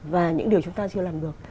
và những điều chúng ta chưa làm được